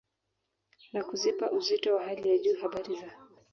na kuzipa uzito wa hali ya juu habari za